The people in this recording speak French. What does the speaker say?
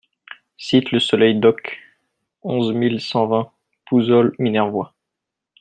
Cite Le Soleil d'Oc, onze mille cent vingt Pouzols-Minervois